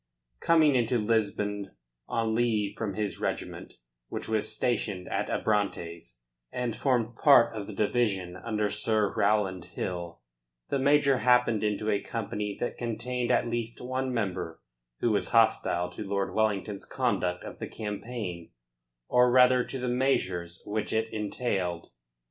Coming into Lisbon on leave from his regiment, which was stationed at Abrantes, and formed part of the division under Sir Rowland Hill, the major happened into a company that contained at least one member who was hostile to Lord Wellington's conduct of the campaign, or rather to the measures which it entailed.